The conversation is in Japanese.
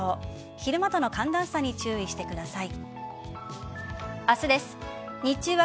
昼間との寒暖差に注意してください。